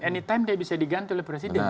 anytime dia bisa digantung oleh presiden